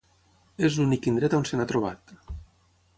És l'únic indret on se n'ha trobat.